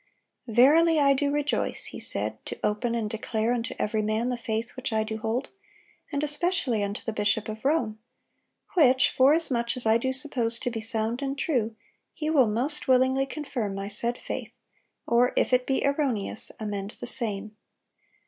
"Verily I do rejoice," he said, "to open and declare unto every man the faith which I do hold, and especially unto the bishop of Rome: which, forasmuch as I do suppose to be sound and true, he will most willingly confirm my said faith, or if it be erroneous, amend the same.